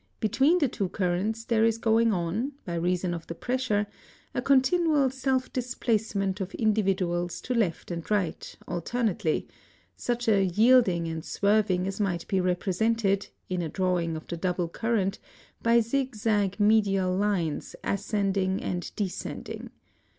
Between the two currents there is going on, by reason of the pressure, a continual self displacement of individuals to left and right, alternately, such a yielding and swerving as might be represented, in a drawing of the double current, by zigzag medial lines ascending and descending.